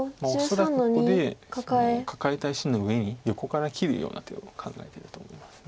恐らくここでカカえた石の上に横から切るような手を考えてると思います。